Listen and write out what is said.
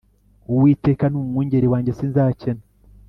Uwiteka ni umwungeri wanjye sinzakena